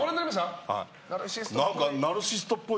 何かナルシストっぽい